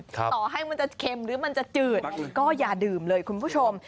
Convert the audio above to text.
ถ้ามันจะจืดก็อย่าดื่มเลยคุณผู้ชม